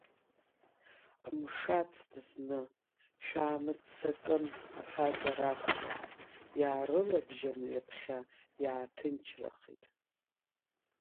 Мшацт зны, шәаамццакын, аҳәазар акәхап, иаарылабжьан, ҩаԥхьа иааҭынчрахеит.